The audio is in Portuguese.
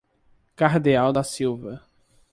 Cardeal da Silva